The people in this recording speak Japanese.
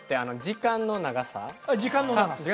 時間の長さです